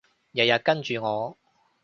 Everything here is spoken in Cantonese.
日日跟住我